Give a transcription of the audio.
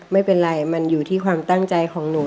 ไม่เป็นไรมันอยู่ที่ความตั้งใจของหนู